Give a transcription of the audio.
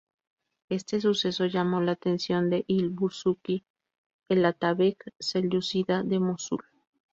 Este suceso llamó la atención de il-Bursuqi, el atabeg selyúcida de Mosul.